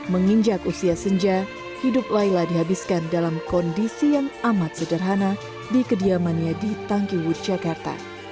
menginjak usia senja hidup laila dihabiskan dalam kondisi yang amat sederhana di kediamannya di tangki wut jakarta